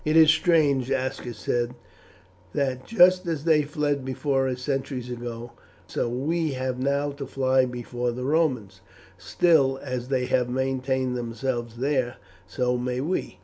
"It is strange," Aska said, "that just as they fled before us centuries ago, so we have now to fly before the Romans. Still, as they have maintained themselves there, so may we.